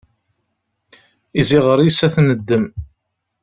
Iziɣer-is ad t-neddem.